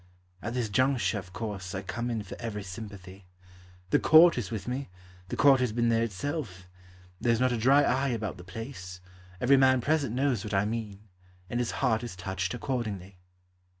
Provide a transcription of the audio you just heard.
At this juncture of course I come in for every sympathy: The Court is with me, The Court has been there itself; There is not a dry eye about the place, Every man present knows what I mean, And his heart is touched accordingly.